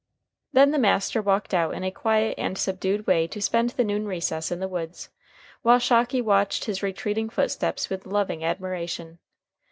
Then the master walked out in a quiet and subdued way to spend the noon recess in the woods, while Shocky watched his retreating footsteps with loving admiration.